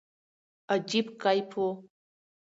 عجيب کيف وو.